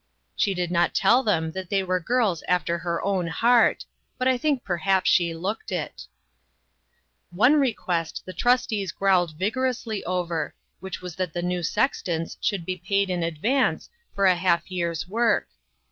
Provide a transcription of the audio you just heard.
She did not tell them that they were girls after her own heart, but I think per haps she looked it. INNOVATIONS. IQI One request the trustees growled vigor ously over, which was that the new sextons should be paid in advance for a half year's work.